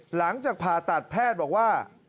หลังจากผ่าตัดแพทย์บอกว่า